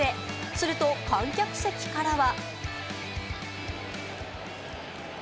すると観客席からは。